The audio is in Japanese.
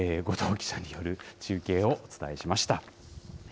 後藤記者による中継をお伝えしました。